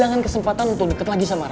jangan kesempatan untuk deket lagi sama rara